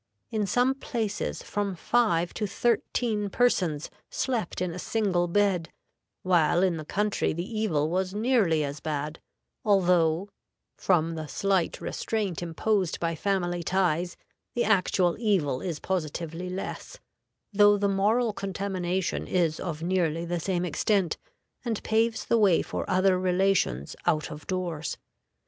In some places from five to thirteen persons slept in a single bed, while in the country the evil was nearly as bad, although, from the slight restraint imposed by family ties, the actual evil is positively less; though the moral contamination is of nearly the same extent, and paves the way for other relations out of doors.